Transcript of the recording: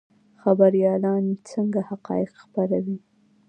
خبریالان څنګه حقایق خپروي؟